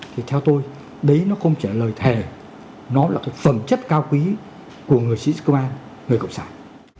thì theo tôi đấy nó không chỉ là lời thề nó là cái phẩm chất cao quý của người sĩ công an người cộng sản